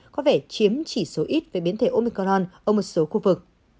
có vẻ chiếm chỉ số ít về biến thể omicron ở một số khu vực